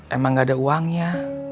emang gak ada uangnya